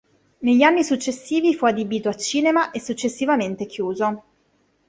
Negli anni successivi fu adibito a cinema e successivamente chiuso.